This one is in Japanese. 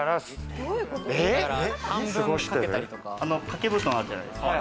掛け布団あるじゃないですか。